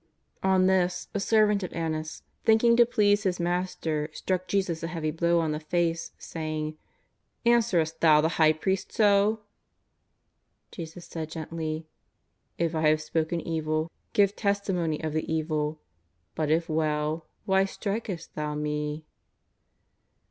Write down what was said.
On this, a servant of Annas, thinking to please his Master, struck Jesus a heavy blow on the face, saying : "Answerest Thou the High priest so ?" Jesus said gently :^^ If I have spoken evil, give tes timony of the evil, but if well, why strikest thou Me